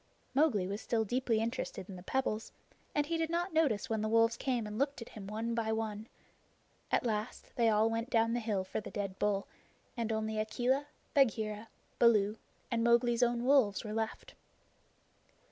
Mowgli was still deeply interested in the pebbles, and he did not notice when the wolves came and looked at him one by one. At last they all went down the hill for the dead bull, and only Akela, Bagheera, Baloo, and Mowgli's own wolves were left.